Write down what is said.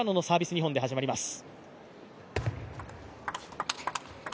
２本で始まります。